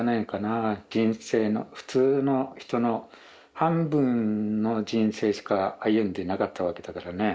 人生の普通の人の半分の人生しか歩んでなかったわけだからね。